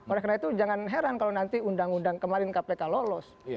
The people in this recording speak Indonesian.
oleh karena itu jangan heran kalau nanti undang undang kemarin kpk lolos